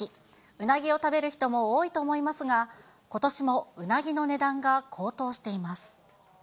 うなぎを食べる人も多いと思いますが、ことしもうなぎの値段が高騰しています。